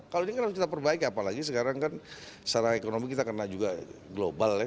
kalau ini kan harus kita perbaiki apalagi sekarang kan secara ekonomi kita kena juga global ya